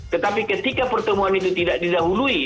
tetapi ketika pertemuan itu tidak didahului